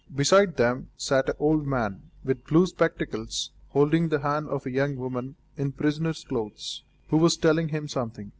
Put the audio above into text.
Beside them sat an old man, with blue spectacles, holding the hand of a young woman in prisoner's clothes, who was telling him something.